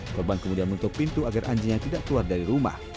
korban kemudian menutup pintu agar anjingnya tidak keluar dari rumah